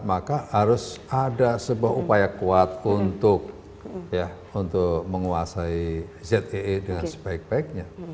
maka harus ada sebuah upaya kuat untuk menguasai zee dengan sebaik baiknya